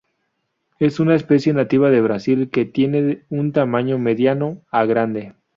Es una especie nativa de Brasil que tiene un tamaño mediano a grande.